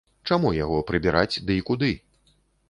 Чаму яго прыбіраць, дый куды?